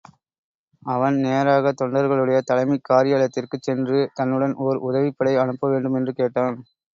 அவன் நேராகத் தொண்டர்களுடைய தலைமைக் காரியாலயத்திற்குச் சென்று தன்னுடன் ஒர் உதவிப்படை அனுப்பவேண்டும் என்று கேட்டான்.